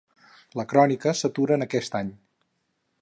La crònica s'atura en aquest any.